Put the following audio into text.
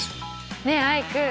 ねえアイク。